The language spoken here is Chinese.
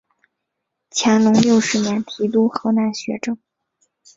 乾隆六十年提督河南学政。